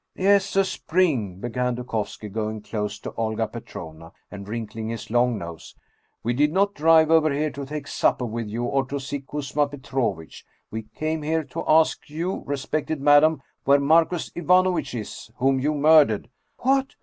" Yes, a spring," began Dukovski, going close to Olga Petrovna and wrinkling his long nose. " We did not drive over here to take supper with you or to see Kuzma Pe trovitch. We came here to ask you, respected madam, where Marcus Ivanovitch is, whom you murdered !"" What